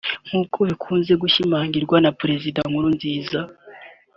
nk’uko bikunze gushimangirwa na Perezida Pierre Nkurunziza